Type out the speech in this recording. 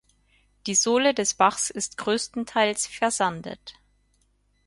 Die Sohle des Bachs ist größtenteils versandet.